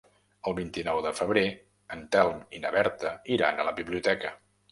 El vint-i-nou de febrer en Telm i na Berta iran a la biblioteca.